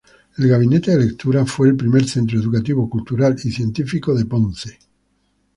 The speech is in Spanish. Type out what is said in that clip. El Gabinete de Lectura fue el primer centro educativo, cultural y científico en Ponce.